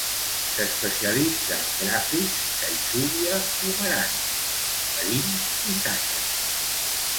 S'especialitza en gràfics caixúbia-pomerània, marins i sacres.